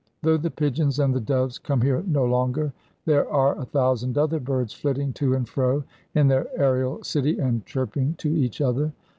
Though the pigeons and the doves come here no longer, there are a thousand other birds flitting to and fro in their aerial city and chirping to each other.